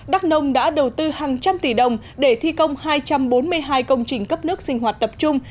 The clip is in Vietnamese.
đắk nông đã đầu tư hàng trăm tỷ đồng để thi công hai trăm bốn mươi hai công trình cấp nước sinh hoạt tập trung